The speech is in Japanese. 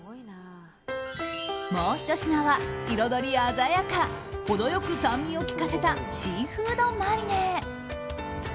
もう１品は彩り鮮やか程良く酸味を利かせたシーフードマリネ。